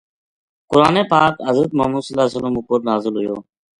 قرآن پاک حضر محمد ﷺ اپر نازل ہویو۔